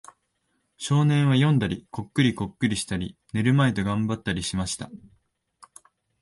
少年は読んだり、コックリコックリしたり、眠るまいと頑張ったりしました。